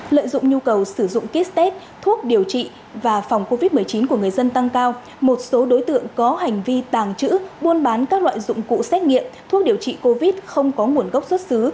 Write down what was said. lợi dụng nhu cầu sử dụng kích tết thuốc điều trị và phòng covid một mươi chín của người dân tăng cao một số đối tượng có hành vi tàng trữ buôn bán các loại dụng cụ xét nghiệm thuốc điều trị covid không có nguồn gốc xuất xứ